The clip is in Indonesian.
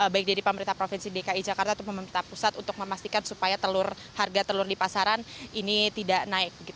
baik dari pemerintah provinsi dki jakarta atau pemerintah pusat untuk memastikan supaya harga telur di pasaran ini tidak naik